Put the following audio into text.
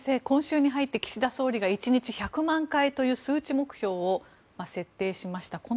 今週に入って岸田総理が１日１００万回という数値目標を設定しました。